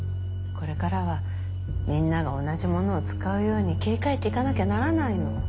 これからはみんなが同じものを使うように切り替えていかなきゃならないの。